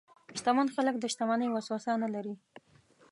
شتمن خلک د شتمنۍ وسوسه نه لري.